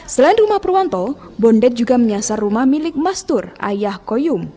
selain rumah purwanto bondet juga menyasar rumah milik mastur ayah koyum